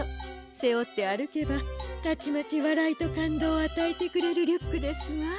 せおってあるけばたちまちわらいとかんどうをあたえてくれるリュックですわ。